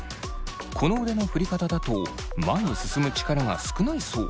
この腕の振り方だと前に進む力が少ないそう。